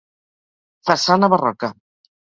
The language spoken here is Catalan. Façana barroca.